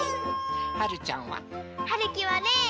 はるちゃんは？はるきはね